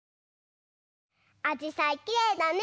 あじさいきれいだね。